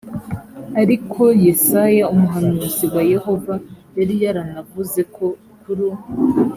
ariko yesaya umuhanuzi wa yehova yari yaranavuze ko kuro